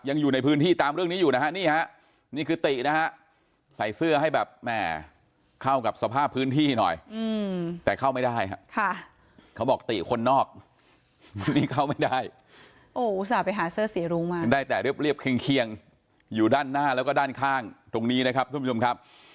ยังอยู่ในพื้นที่ตามเรื่องนี้อยู่นะฮะนี่ฮะ